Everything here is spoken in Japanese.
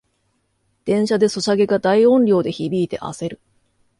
電車でソシャゲが大音量で響いてあせる